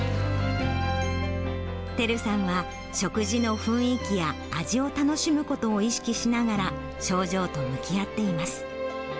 てるさんは、食事の雰囲気や味を楽しむことを意識しながら、症状と向き合っています。